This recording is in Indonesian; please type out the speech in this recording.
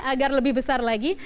agar lebih besar lagi